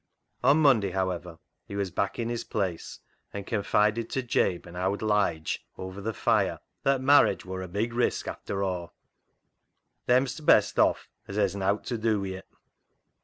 On Monday, however, he was back in his place, and confided to Jabe and " Owd Lige " over the fire that " Marriage wor a big risk efter aw. Them's t'best off as hes nowt to do wi' it."